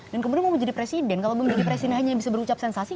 dan kemudian mau menjadi presiden kalau mau menjadi presiden hanya bisa berucap sensasi